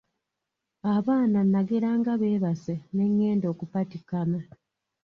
Abaana nageranga beebase ne ngenda okupatikana.